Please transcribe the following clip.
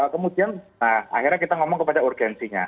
kemudian akhirnya kita ngomong kepada urgensinya